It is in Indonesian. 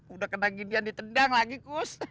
udah kena ginian di tendang lagi kos